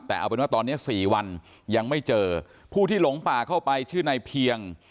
แต่เอาเป็นว่าตอนนี้๔วันยังไม่เจอผู้ที่หลงป่าเข้าไปชื่อนายเพียง